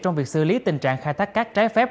trong việc xử lý tình trạng khai thác cát trái phép